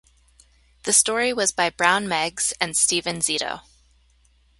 The story was by Brown Meggs and Stephen Zito.